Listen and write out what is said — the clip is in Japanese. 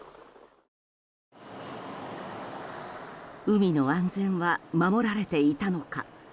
海の安全は守られていたのか。